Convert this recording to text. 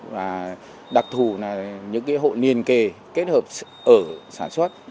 và đặc thù là những hộ liền kề kết hợp ở sản xuất